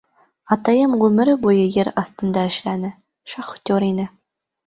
— Атайым ғүмере буйы ер аҫтында эшләне, шахтер ине.